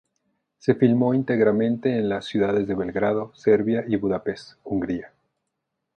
Se filmó íntegramente en las ciudades de Belgrado, Serbia y Budapest, Hungría.